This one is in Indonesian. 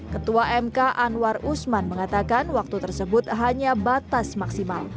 ketua mk anwar usman mengatakan waktu tersebut hanya batas maksimal